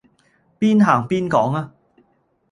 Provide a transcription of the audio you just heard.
邊行邊講吖